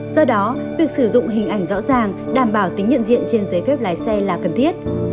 do đó việc sử dụng hình ảnh rõ ràng đảm bảo tính nhận diện trên giấy phép lái xe là cần thiết